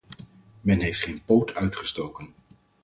Men heeft geen poot uitgestoken.